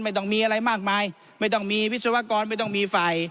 ไม่ต้องมีอะไรมากมายไม่ต้องมีวิศวกรไม่ต้องมีฝ่าย